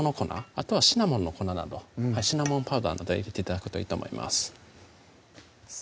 あとはシナモンの粉などシナモンパウダーなど入れて頂くといいと思います